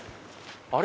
あれ？